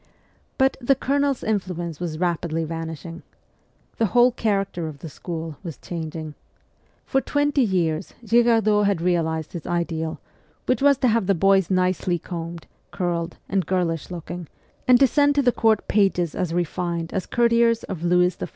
But the Colonel's influence was rapidly vanishing. The whole character of the school was changing. For twenty years Girardot had realized his ideal, which w r as to have the boys nicely combed, curled, and girlish looking, and to send to the court pages as refined as courtiers of Louis XIV.